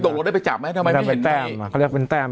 โดกลงได้ไปจับไหมทำไมไม่เห็นไงแป้มอ่ะเขาเรียกเป็นแป้ม